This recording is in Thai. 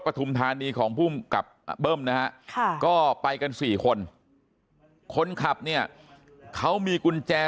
ทุมธานีของภูมิกับเบิ้มนะฮะก็ไปกัน๔คนคนขับเนี่ยเขามีกุญแจ